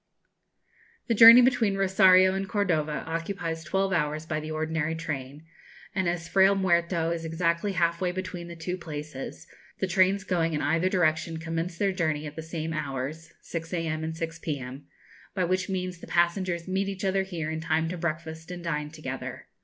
The journey between Rosario and Cordova occupies twelve hours by the ordinary train; and as Frayle Muerto is exactly half way between the two places, the trains going in either direction commence their journey at the same hours (6 a.m. and 6 p.m.), by which means the passengers meet each other here in time to breakfast and dine together.